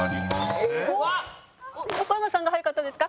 横山さんが早かったですか？